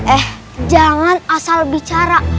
eh jangan asal bicara